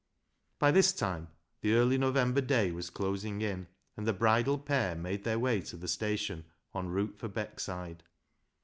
By this time the early November day was closing in, and the bridal pair made their way to the station en route for Beckside.